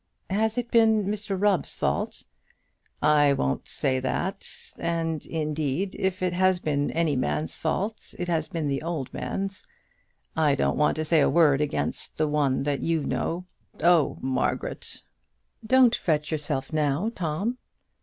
"Has it been Mr Rubb's fault?" "I won't say that; and, indeed, if it has been any man's fault it has been the old man's. I don't want to say a word against the one that you know. Oh, Margaret!" "Don't fret yourself now, Tom."